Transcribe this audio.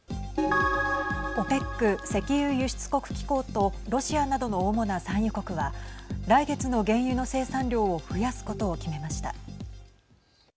ＯＰＥＣ＝石油輸出国機構とロシアなどの主な産油国は来月の原油の生産量を増やすことを決めました。